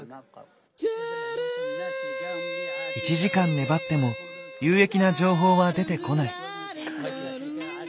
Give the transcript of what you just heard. １時間粘っても有益な情報は出てこない。